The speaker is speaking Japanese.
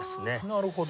なるほど。